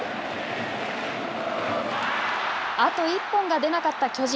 あと１本が出なかった巨人。